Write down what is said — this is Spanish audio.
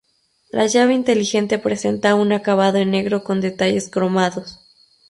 La llave inteligente presenta un acabado en negro con detalles cromados.